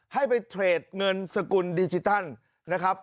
ให้ไปเทรดเงินสกุลดิจิทัลนะครับ